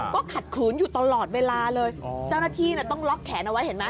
ก็ขัดขืนอยู่ตลอดเวลาเลยเจ้าหน้าที่ต้องล็อกแขนเอาไว้เห็นไหม